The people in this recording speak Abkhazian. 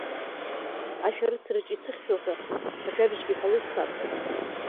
Ашәарыцараҿы исыхьхьоу ҳәа ажәабжьк иҳәалоит саб.